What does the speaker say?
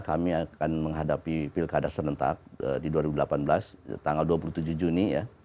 kami akan menghadapi pilkada serentak di dua ribu delapan belas tanggal dua puluh tujuh juni ya